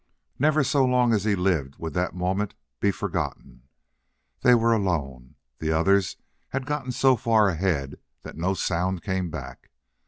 Never so long as he lived would that moment be forgotten! They were alone. The others had gotten so far ahead that no sound came back.